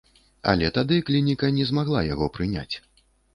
Але тады клініка не змагла яго прыняць.